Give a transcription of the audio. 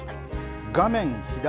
画面左。